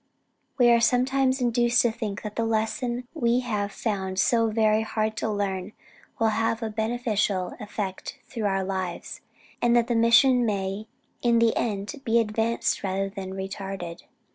We are sometimes induced to think that the lesson we have found so very hard to learn will have a beneficial effect through our lives; and that the mission may in the end, be advanced rather than retarded."